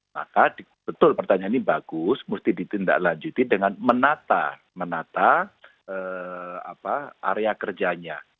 maka betul pertanyaan ini bagus mesti ditindaklanjuti dengan menata area kerjanya